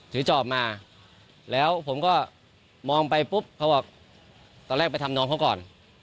จอบมาแล้วผมก็มองไปปุ๊บเขาบอกตอนแรกไปทำน้องเขาก่อน